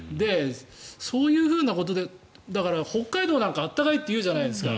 そういうふうなことでだから、北海道なんか暖かいとよく言うじゃないですか。